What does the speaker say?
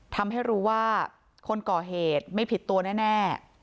ทำให้รู้ว่าคนก่อเหตุไม่ผิดตัวแน่